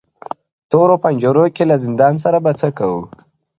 • تورو پنجرو کي له زندان سره به څه کوو -